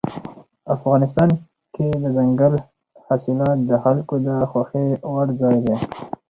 افغانستان کې دځنګل حاصلات د خلکو د خوښې وړ ځای دی.